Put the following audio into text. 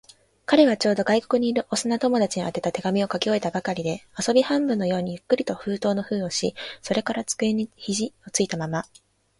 彼はちょうど、外国にいる幼な友達に宛てた手紙を書き終えたばかりで、遊び半分のようにゆっくりと封筒の封をし、それから机に肘ひじをついたまま、